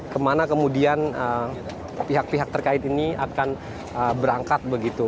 kemana kemudian pihak pihak terkait ini akan berangkat begitu